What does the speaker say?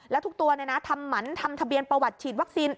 แล้วทุกตัวทำหมันทำทะเบียนประวัติฉีดวัคซีน